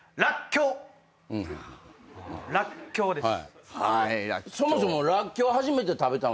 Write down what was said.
「らっきょう」です。